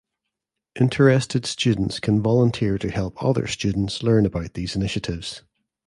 Interested students can volunteer to help other students learn about these initiatives.